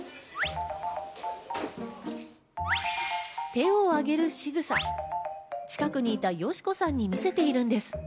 手をあげるしぐさ、近くにいた佳子さんに見せているんです。